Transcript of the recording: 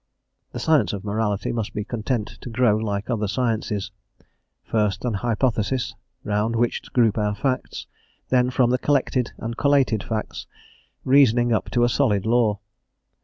The science of morality must be content to grow like other sciences; first an hypothesis, round which to group our facts, then from the collected and collated facts reasoning up to a solid law.